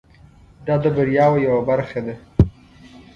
دا د بریاوو یوه برخه ده.